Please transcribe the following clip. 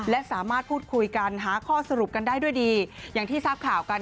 และสามารถพูดคุยกันหาข้อสรุปกันได้ด้วยดีอย่างที่ทราบข่าวกัน